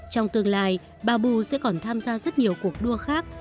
trong tương lai babu sẽ còn tham gia rất nhiều cuộc đua khác